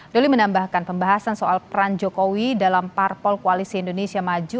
doli menambahkan pembahasan soal peran jokowi dalam parpol koalisi indonesia maju